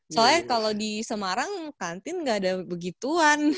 soalnya kalau di semarang kantin nggak ada begituan